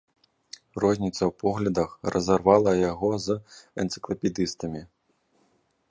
Розніца ў поглядах, разарвала яго з энцыклапедыстамі.